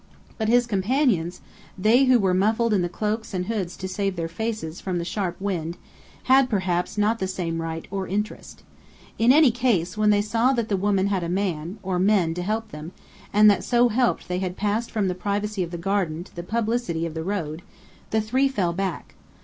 But his companions they who were muffled in the cloaks and hoods to save their faces from the sharp wind had perhaps not the same right or interest. In any case, when they saw that the women had a man, or men, to help them, and that so helped they had passed from the privacy of the garden to the publicity of the road, the three fell back.